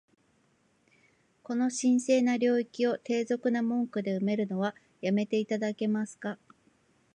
この神聖な領域を、低俗な文句で埋めるのは止めて頂けますか？